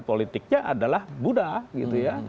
politiknya adalah buddha gitu ya